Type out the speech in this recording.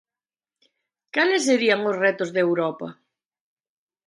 Cales serían os retos de Europa?